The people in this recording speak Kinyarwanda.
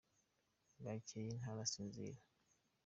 bwakeye ntarasinzira.